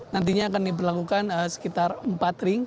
nantinya akan diberlakukan sekitar empat ring